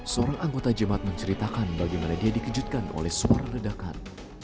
seorang anggota jemaat menceritakan bagaimana dia dikejutkan oleh suara ledakan